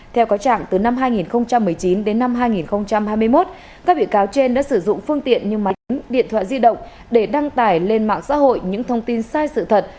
theo có trạng từ năm hai nghìn một mươi chín đến năm hai nghìn hai mươi một các bị cáo trên đã sử dụng phương tiện như máy điện thoại di động để đăng tải lên mạng xã hội những thông tin sai sự thật